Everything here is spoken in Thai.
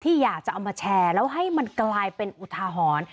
อยากจะเอามาแชร์แล้วให้มันกลายเป็นอุทาหรณ์